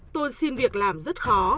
tôi xin việc làm rất khó